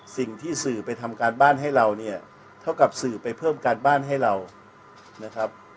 สิ่งที่สื่อไปทำการบ้านให้เราเนี่ยเท่ากับสื่อไปเพิ่มการบ้านให้เรานะครับ